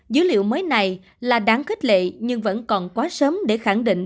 dữ liệu mới này là đáng khích lệ nhưng vẫn còn quá sớm để khẳng định